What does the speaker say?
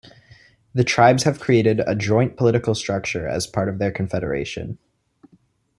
The tribes have created a joint political structure as part of their confederation.